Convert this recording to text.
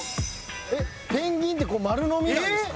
ペンギンって丸飲みなんですか？